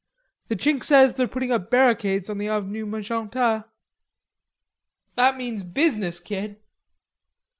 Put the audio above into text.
"The Chink says they're putting up barricades on the Avenue Magenta." "That means business, kid!"